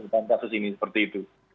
dan kasus ini seperti itu